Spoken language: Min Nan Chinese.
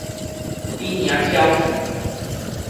恁娘蹺去